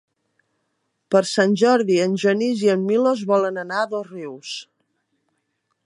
Per Sant Jordi en Genís i en Milos volen anar a Dosrius.